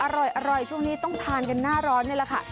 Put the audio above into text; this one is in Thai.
อร่อยช่วงนี้ต้องทานกันหน้าร้อนนี่แหละค่ะ